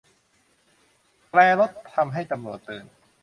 แตรรถทำให้ตำรวจตื่น